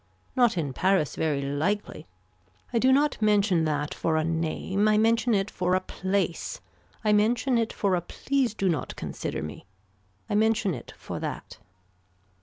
Not in Paris very likely. I do not mention that for a name. I mention it for a place. I mention it for a please do not consider me. I mention it for that.